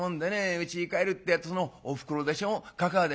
うちに帰るってえとそのおふくろでしょかかあでしょ